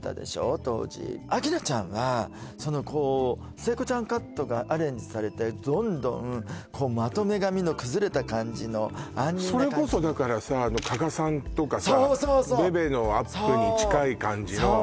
当時明菜ちゃんはそのこう聖子ちゃんカットがアレンジされてどんどんまとめ髪の崩れた感じのアンニュイな感じそれこそだからさ加賀さんとかさそうそうそうベベのアップに近い感じのそう！そう！